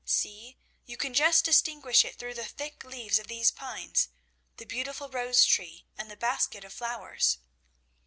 See, you can just distinguish it through the thick leaves of these pines the beautiful rose tree and the basket of flowers.'